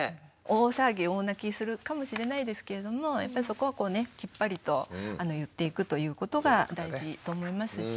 大騒ぎ大泣きするかもしれないですけれどもやっぱりそこはこうねきっぱりと言っていくということが大事と思いますし。